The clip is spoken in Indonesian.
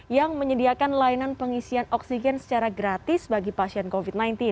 yang menyediakan layanan pengisian oksigen secara gratis bagi pasien covid sembilan belas